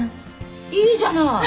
いいじゃない！